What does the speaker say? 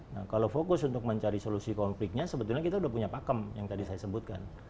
nah kalau fokus untuk mencari solusi konfliknya sebetulnya kita sudah punya pakem yang tadi saya sebutkan